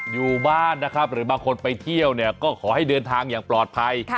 อยู่บ้านนะครับหรือบางคนไปเที่ยวเนี่ยก็ขอให้เดินทางอย่างปลอดภัย